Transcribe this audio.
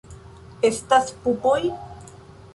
Estas pupoj?